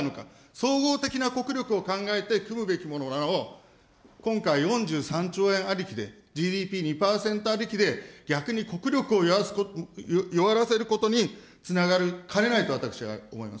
総合的な国力を考えて組むべきなのを、今回４３兆円ありきで、ＧＤＰ２％ありきで逆に国力を弱らせることにつながりかねないと私は思います。